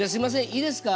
いいですか？